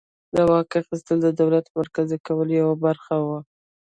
د واک اخیستل د دولت مرکزي کولو یوه برخه وه.